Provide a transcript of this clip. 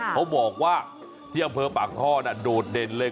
เขาบอกว่าที่อำเภอปากท่อน่ะโดดเด่นเลย